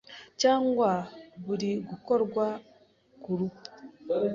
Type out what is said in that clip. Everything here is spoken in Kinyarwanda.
cyangwa buri gukorwa kurubu